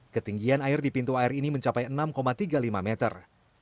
ketinggian air di pintu air ini mencapai enam tiga puluh lima meter